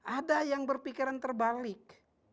ada yang berpikiran terbalik